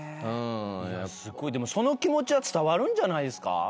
すごいでもその気持ちは伝わるんじゃないですか？